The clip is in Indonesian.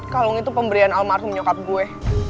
kalung itu pemberian almarhum nyokap gue